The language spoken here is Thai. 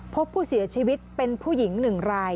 พบผู้เสียชีวิตเป็นผู้หญิง๑ราย